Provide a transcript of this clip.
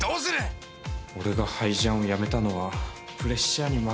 俺がハイジャンをやめたのはプレッシャーに負けたからだ。